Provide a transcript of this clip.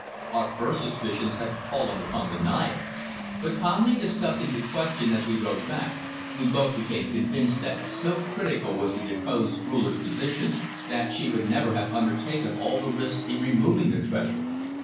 Our first suspicions had fallen upon the Naya, but calmly discussing the question as we rode back, we both became convinced that so critical was the deposed ruler's position, that she would never have undertaken all the risks in removing the treasure.